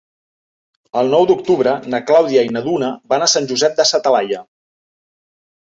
El nou d'octubre na Clàudia i na Duna van a Sant Josep de sa Talaia.